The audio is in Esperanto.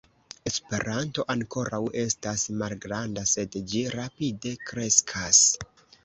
Esperanto ankoraŭ estas malgranda, sed ĝi rapide kreskas.